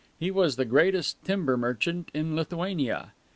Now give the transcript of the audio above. He was the greatest timber merchant in Lithuania.